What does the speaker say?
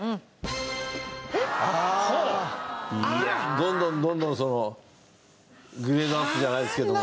どんどんどんどんそのグレードアップじゃないですけども。